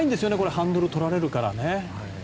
ハンドルを取られるからね。